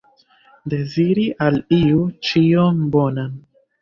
Deziri al iu ĉion bonan.